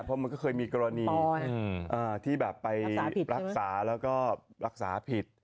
เพราะมันก็เคยมีกรณีที่แบบไปรักษาแล้วก็รักษาผิด